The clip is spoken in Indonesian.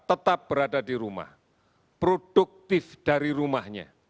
tetap berada di rumah produktif dari rumahnya